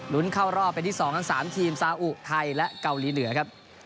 เข้ารอบเป็นที่๒ทั้ง๓ทีมซาอุไทยและเกาหลีเหนือครับ